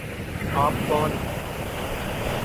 آپ کون